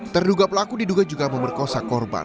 terduga pelaku diduga juga memerkosa korban